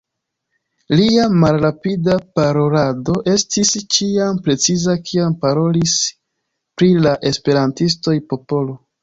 Lia malrapida parolado estis ĉiam preciza kiam parolis pri la Esperantistoj Popolo.